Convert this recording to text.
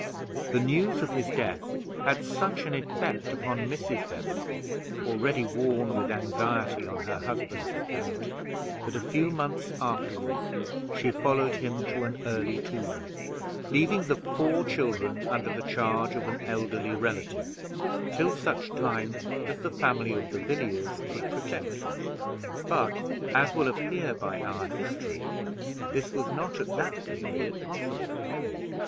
The news of his death had such an effect upon Mrs. Beverley, already worn with anxiety on her husband's account, that a few months afterward she followed him to an early tomb, leaving the four children under the charge of an elderly relative, till such time as the family of the Villiers could protect them; but, as will appear by our history, this was not at that period possible.